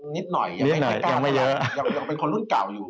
นิดหน่อยยังเป็นคนรุ่นเก่าอยู่